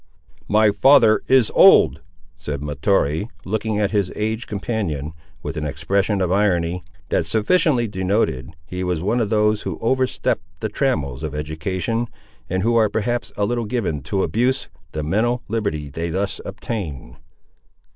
"My father is old," said Mahtoree, looking at his aged companion, with an expression of irony, that sufficiently denoted he was one of those who overstep the trammels of education, and who are perhaps a little given to abuse the mental liberty they thus obtain.